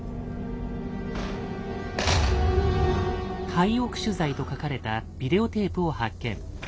「廃屋取材」と書かれたビデオテープを発見。